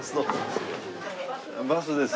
バスです。